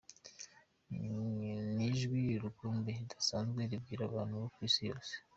Ni ijwi rukumbi ridasanzwe ribwira abantu bo ku Isi yose.